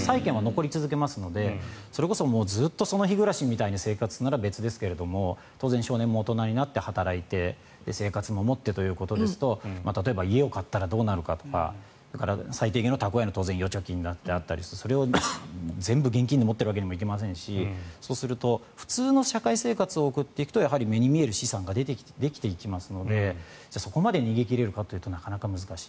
債権は残り続けますのでずっとその日暮らしみたいな生活なら別ですが当然、少年も大人になって働いて生活守ってということですと例えば家を買ってとか最低限の預貯金もありますしそれを全部、現金で持っているわけにもいきませんしそうすると普通の社会生活を送っていくと目に見える資産ができていきますのでそこまで逃げ切れるかというとなかなか難しいと。